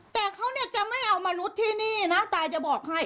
แต่เขาเนี่ยจะไม่เอามนุษย์ที่นี่นะตาจะบอกให้